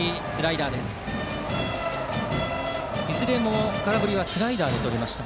いずれも空振りはスライダーでとりました。